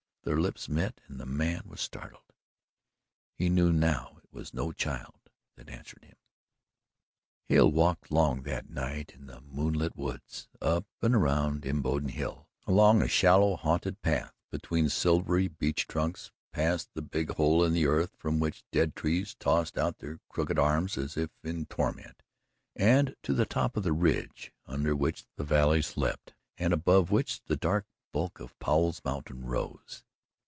Their lips met and the man was startled. He knew now it was no child that answered him. Hale walked long that night in the moonlit woods up and around Imboden Hill, along a shadow haunted path, between silvery beech trunks, past the big hole in the earth from which dead trees tossed out their crooked arms as if in torment, and to the top of the ridge under which the valley slept and above which the dark bulk of Powell's Mountain rose.